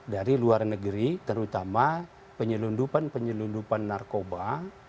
dari luar negeri terutama penyelundupan penyelundupan narkoba